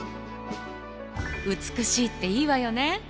美しいっていいわよね！